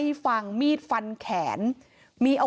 เหตุการณ์เกิดขึ้นแถวคลองแปดลำลูกกา